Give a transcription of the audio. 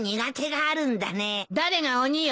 誰が鬼よ。